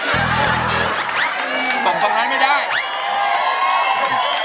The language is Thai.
บอกตรงนั้นไม่ได้